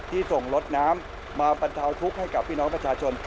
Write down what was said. ส่งรถน้ำมาบรรเทาทุกข์ให้กับพี่น้องประชาชน